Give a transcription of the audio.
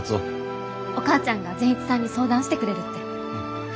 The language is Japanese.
お母ちゃんが善一さんに相談してくれるって。